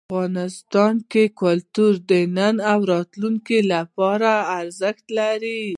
افغانستان کې کلتور د نن او راتلونکي لپاره ارزښت لري.